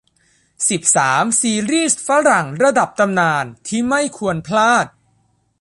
สิบสาม ซีรีส์ฝรั่งระดับตำนานที่ไม่ควรพลาด